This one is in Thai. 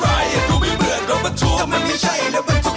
แล้วก็เบือดกลับมาทุก